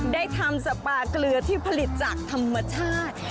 ได้ทำสปาเกลือที่ผลิตจากธรรมชาติ